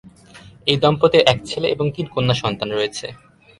এই দম্পতির এক ছেলে এবং তিন কন্যা সন্তান রয়েছে।